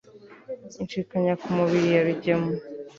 Inshyikanya ku mubiri ya Rugema